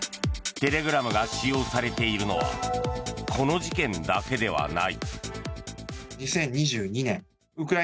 テレグラムが使用されているのはこの事件だけではない。